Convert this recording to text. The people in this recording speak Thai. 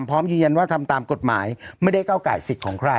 พร้อมยืนยันว่าทำตามกฎหมายไม่ได้เก้าไก่สิทธิ์ของใคร